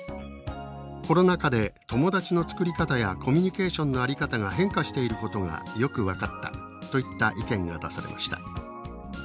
「コロナ禍で友達の作り方やコミュニケーションの在り方が変化していることがよく分かった」といった意見が出されました。